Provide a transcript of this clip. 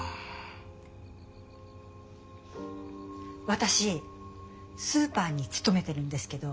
私スーパーに勤めてるんですけど。